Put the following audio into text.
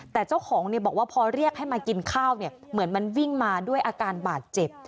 แต่เจ้าของบอกว่าพอเรียกให้มากินข้าวเนี่ยเหมือนมันวิ่งมาด้วยอาการบาดเจ็บ